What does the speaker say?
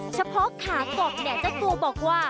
เฉพาะขากบเนี่ยเจ้าตัวบอกว่า